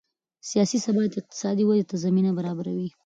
سیاسي ثبات اقتصادي ودې ته زمینه برابروي